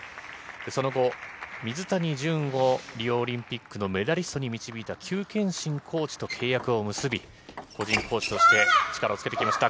その後、水谷隼をリオオリンピックのメダリストに導いた邱建新コーチと契約を結び、個人コーチとして力をつけてきました。